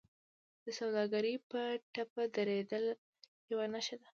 د سوداګرۍ په ټپه درېدل یوه نښه ده